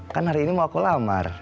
kan hari ini mau aku lamar